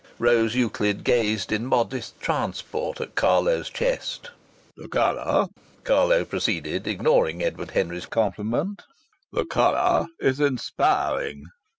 Rose Euclid gazed in modest transport at Carlo's chest. "The colour," Carlo proceeded, ignoring Edward Henry's compliment, "the colour is inspiring.